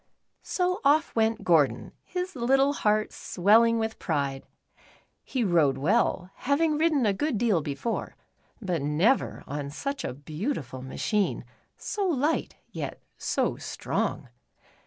So off went Gordon, his little heart swelling with pride. He rode well, having ridden a good deal before, but never on such a beautiful machine, so light, yet so strong.